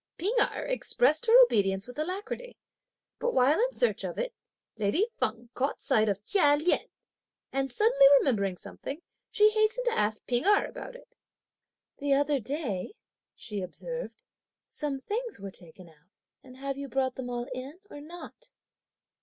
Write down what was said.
P'ing Erh expressed her obedience with alacrity; but while in search of it, lady Feng caught sight of Chia Lien; and suddenly remembering something, she hastened to ask P'ing Erh about it. "The other day," she observed, "some things were taken out, and have you brought them all in or not?"